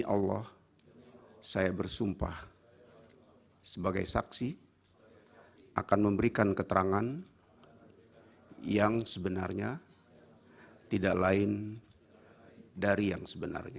insya allah saya bersumpah sebagai saksi akan memberikan keterangan yang sebenarnya tidak lain dari yang sebenarnya